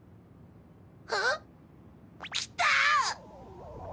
んっ！？来た！